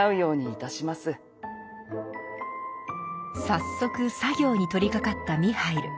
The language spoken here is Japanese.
早速作業に取りかかったミハイル。